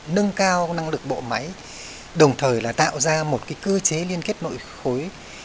nâng cao năng lực bộ máy đồng thời là tạo ra một cơ chế liên kết nội khối